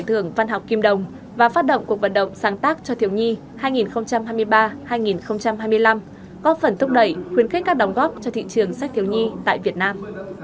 giải thưởng văn học kim đồng và phát động cuộc vận động sáng tác cho thiếu nhi hai nghìn hai mươi ba hai nghìn hai mươi năm góp phần thúc đẩy khuyến khích các đóng góp cho thị trường sách thiếu nhi tại việt nam